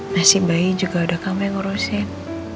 nasi bayi juga udah kamu yang ngurusin